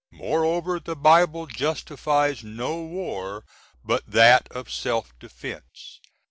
Moreover, the Bible justifies no war but that of self defence.